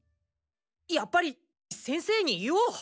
やっぱり先生に言おう。